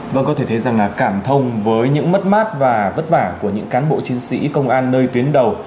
vâng có thể thấy rằng là cảm thông với những mất mát và vất vả của những cán bộ chiến sĩ công an nơi tuyến đầu